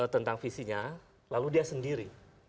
tentang visinya lalu dia sendiri